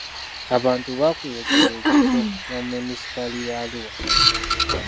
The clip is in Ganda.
Abantu bakuyegera kifo mu munisipaali ya Arua.